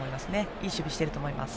いい守備をしていると思います。